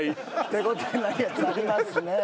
手応えないやつありますね。